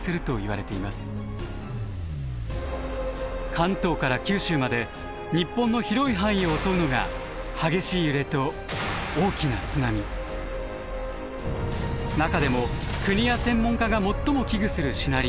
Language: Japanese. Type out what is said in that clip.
関東から九州まで日本の広い範囲を襲うのが中でも国や専門家が最も危惧するシナリオ